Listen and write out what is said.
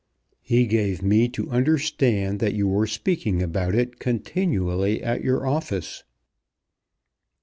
"He gave me to understand that you were speaking about it continually at your office."